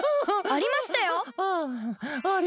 ありましたよ！